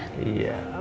ingat dulu ya pak